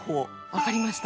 わかりました。